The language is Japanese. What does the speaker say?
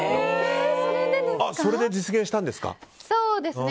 それで実現したんですか。